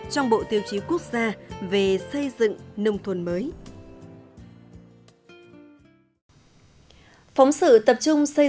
trong bộ tiêu chí quốc gia về xây dựng nông thôn mới